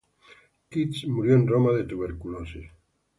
Keats murió en Roma de tuberculosis.